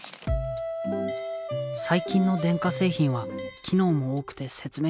最近の電化製品は機能も多くて説明書も難しいなあ。